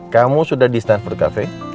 kamu sudah di stanford cafe